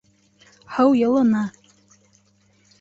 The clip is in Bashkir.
Һыу йылыны